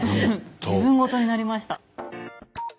自分事になりました。